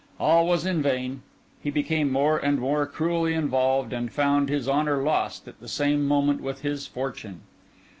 All was in vain; he became more and more cruelly involved, and found his honour lost at the same moment with his fortune.